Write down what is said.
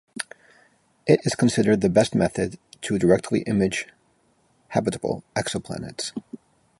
It is considered the best method to directly image habitable exoplanets.